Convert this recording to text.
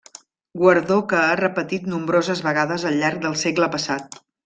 Guardó que ha repetit nombroses vegades al llarg del segle passat.